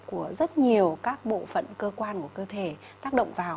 của rất nhiều các bộ phận cơ quan của cơ thể tác động vào